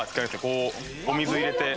こうお水入れて。